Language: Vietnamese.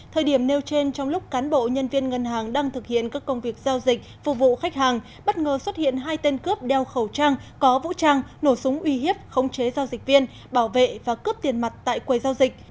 thời điểm nêu trên trong lúc cán bộ nhân viên ngân hàng đang thực hiện các công việc giao dịch phục vụ khách hàng bất ngờ xuất hiện hai tên cướp đeo khẩu trang có vũ trang nổ súng uy hiếp khống chế giao dịch viên bảo vệ và cướp tiền mặt tại quầy giao dịch